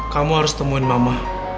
kamu harus temuin mama